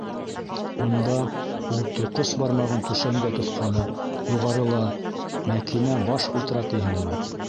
Унда, - ул тоҡос бармағын түшәмгә тоҫҡаны, - юғарыла, мәкинә баштар ултыра тиһеңме?